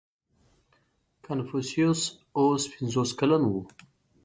• کنفوسیوس اوس پنځوس کلن و.